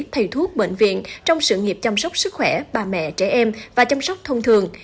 thầy thuốc bệnh viện trong sự nghiệp chăm sóc sức khỏe bà mẹ trẻ em và chăm sóc thông thường